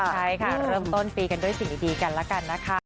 ใช่ค่ะเริ่มต้นปีกันด้วยสิ่งดีกันแล้วกันนะคะ